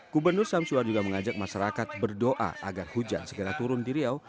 gubernur samsuar juga mengajak masyarakat berdoa agar hujan segera turun di riau